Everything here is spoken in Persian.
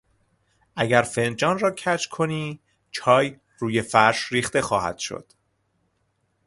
اگر فنجان را کج کنی چای روی فرش ریخته خواهد شد.